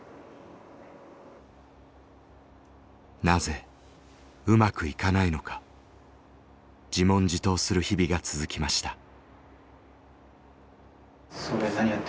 なぜうまくいかないのか自問自答する日々が続きました。